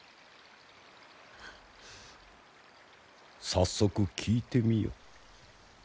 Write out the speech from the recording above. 早速聞いてみよ。